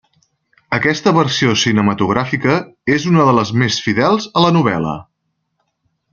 Aquesta versió cinematogràfica és una de les més fidels a la novel·la.